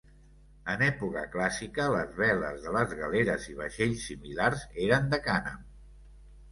En època clàssica les veles de les galeres i vaixells similars eren de cànem.